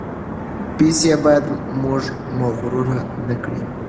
پیسې باید موږ مغرور نکړي.